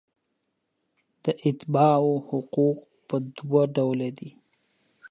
د اتباعو حقوق په دوه ډوله دي.